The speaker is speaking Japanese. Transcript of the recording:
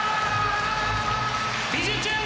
「びじゅチューン！